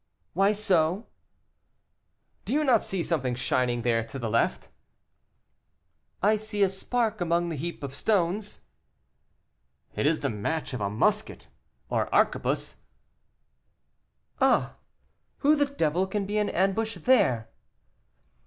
"Why so?" "Do you not see something shining there to the left?" "I see a spark among that heap of stones." "It is the match of a musket, or arquebuse." "Ah! who the devil can be in ambush there?"